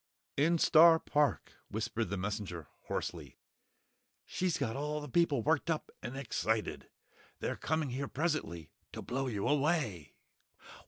"In Star Park," whispered the Messenger, hoarsely. "She's got all the people worked up and excited! They're coming here presently to blow you away!"